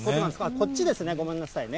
こっちですね、ごめんなさいね。